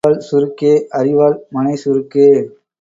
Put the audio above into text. அரிவாள் சுருக்கே, அரிவாள் மணை சுருக்கே.